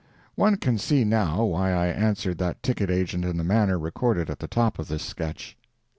[One can see now why I answered that ticket agent in the manner recorded at the top of this sketch.